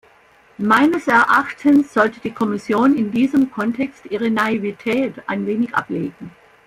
Meines Erachtens sollte die Kommission in diesem Kontext ihre Naivität ein wenig ablegen.